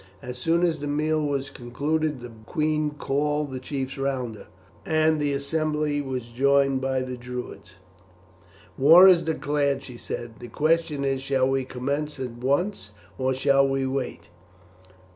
As soon as the meal was concluded the queen called the chiefs round her, and the assembly was joined by the Druids. "War is declared," she said; "the question is shall we commence at once, or shall we wait?"